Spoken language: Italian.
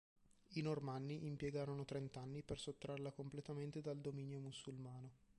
I normanni impiegarono trent'anni per sottrarla completamente dal dominio musulmano.